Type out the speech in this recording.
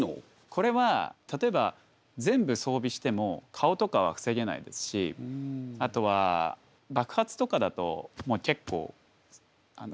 これは例えば全部装備しても顔とかは防げないですしあとは爆発とかだともう結構関係なくもう。